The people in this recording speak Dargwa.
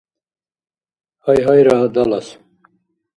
Гьайгьайра, далас.